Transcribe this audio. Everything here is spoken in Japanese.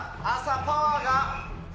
パワーが。